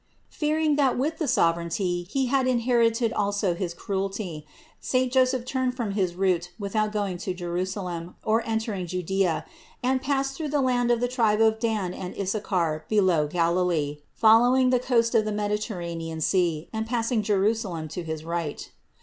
Fearing that with the sovereignty he had in herited also his cruelty, saint Joseph turned from his THE INCARNATION 605 route without going to Jerusalem or entering Judea and passed through the land of the tribe of Dan and Issachar below Galilee, following the coast of the Mediterranean sea and passing Jerusalem to his right.